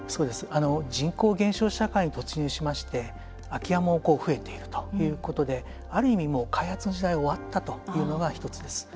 人口減少社会に突入しまして空き家も増えているということである意味、開発の時代が終わったというのが１つです。